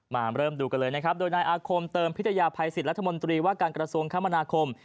มาเริ่มดูกันเลยนะครับโดยนายอาคมเติมพิทยาภัยสิทธิรัฐมนตรีว่าการกระทรวงคมนาคม